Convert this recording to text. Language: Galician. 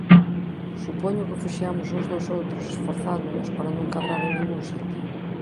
Supoño que fuxiamos uns dos outros esforzándonos para non cadrar en ningún sitio.